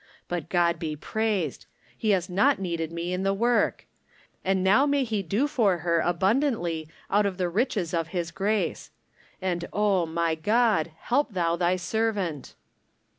But God be praised ! he has not needed me in the work ! And now may he do for her abundantly out of the riches of his grace ! And oh, my God, help thou thy servant